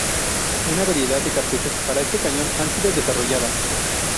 Una variedad de cartuchos para este cañón han sido desarrolladas.